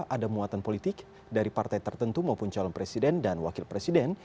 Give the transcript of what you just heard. ada muatan politik dari partai tertentu maupun calon presiden dan wakil presiden